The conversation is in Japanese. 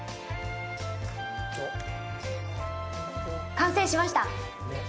完成しました。